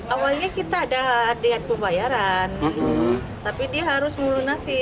awalnya kita ada adet pembayaran tapi dia harus melunasi